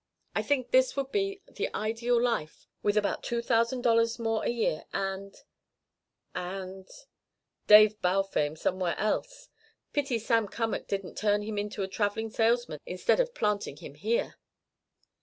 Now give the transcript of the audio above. I think this would be the ideal life with about two thousand dollars more a year, and and " "Dave Balfame somewhere else! Pity Sam Cummack didn't turn him into a travelling salesman instead of planting him here."